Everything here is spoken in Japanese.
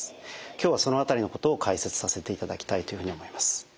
今日はその辺りのことを解説させていただきたいというふうに思います。